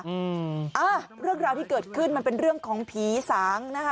อืมอ่าเรื่องราวที่เกิดขึ้นมันเป็นเรื่องของผีสางนะคะ